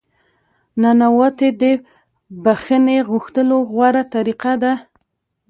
نانواتې د بخښنې غوښتلو غوره طریقه ده.